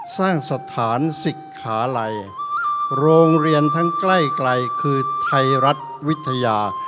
สร้างสถานศิกขาลัยโรงเรียนทั้งใกล้คือไทยรัฐวิทยา